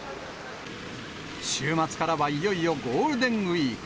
週末からはいよいよゴールデンウィーク。